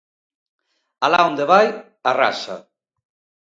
Alá onde vai, arrasa.